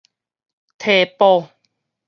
退保